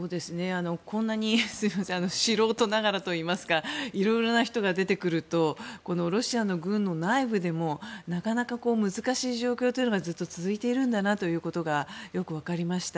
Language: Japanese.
こんなに素人ながらといいますかいろいろな人が出てくるとロシアの軍の内部でもなかなか、難しい状況というのがずっと続いているんだなということがよく分かりました。